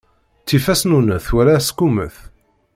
Ttif asnunnet wala asqummet.